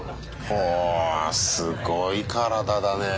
ほおすごい体だね。